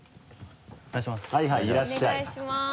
お願いします。